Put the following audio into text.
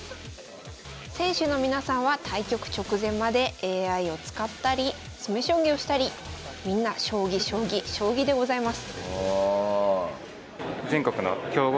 選手の皆さんは対局直前までＡＩを使ったり詰将棋をしたりみんな将棋将棋将棋でございます。